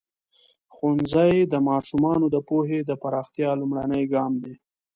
ښوونځی د ماشومانو د پوهې د پراختیا لومړنی ګام دی.